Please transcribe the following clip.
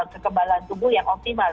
kekebalan tubuh yang optimal